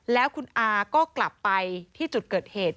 แล้วคุณอาก็กลับไปที่จุดเกิดเหตุ